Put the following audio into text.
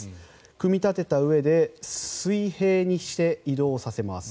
組み立てたうえで水平にして移動させます。